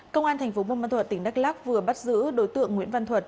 công an tp hcm tỉnh đắk lắc vừa bắt giữ đối tượng nguyễn văn thuật